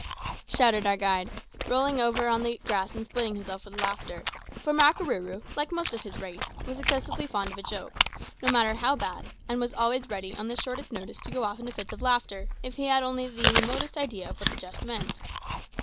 hi!" shouted our guide, rolling over on the grass and splitting himself with laughter; for Makarooroo, like the most of his race, was excessively fond of a joke, no matter how bad, and was always ready on the shortest notice to go off into fits of laughter, if he had only the remotest idea of what the jest meant.